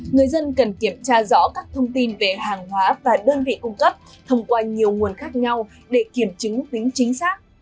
người dân cần kiểm tra rõ các thông tin về hàng hóa và đơn vị cung cấp thông qua nhiều nguồn khác nhau để kiểm chứng tính chính xác